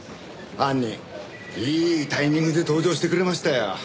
犯人いいタイミングで登場してくれましたよ。